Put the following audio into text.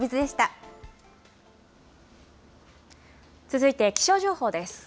続いて気象情報です。